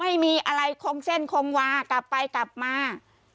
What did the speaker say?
ไม่มีอะไรคมเส้นคมวากลับไปกลับมา